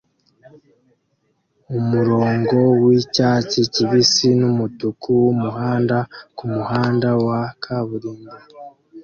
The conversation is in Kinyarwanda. Umurongo wicyatsi kibisi numutuku wumuhanda kumuhanda wa kaburimbo